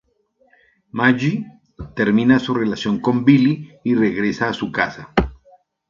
Maggie termina su relación con Billy y regresa a su casa.